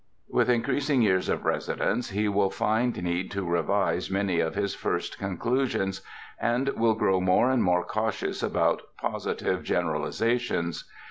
With increasing years of residence he will j&nd need to revise many of his first conclusions and will grow more and more cautious about positive generalizations.